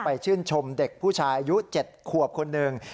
ชื่นชมเด็กผู้ชายอายุ๗ขวบคนหนึ่ง